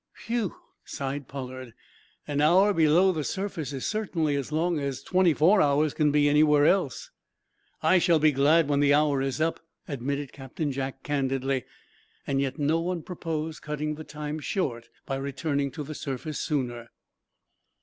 "Whew!" sighed Pollard. "An hour below the surface is certainly as long as twenty four hours can be anywhere else!" "I shall be glad when the hour is up," admitted Captain Jack, candidly. Yet no one proposed cutting the time short by returning to the surface sooner.